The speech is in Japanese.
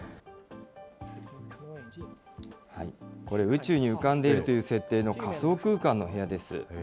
これ、宇宙に浮かんでいるという設定の仮想空間の部屋です。